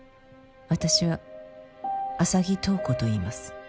「私は浅葱塔子といいます」